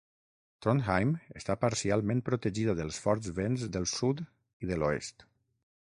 Trondheim està parcialment protegida dels forts vents del sud i de l'oest.